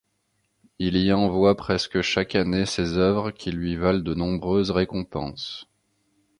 Il y envoie presque chaque année ses œuvres qui lui valent de nombreuses récompenses.